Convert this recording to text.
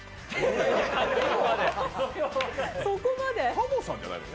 タモさんじゃないの？